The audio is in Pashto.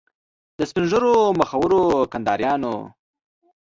له سپین ږیرو مخورو کنداریانو.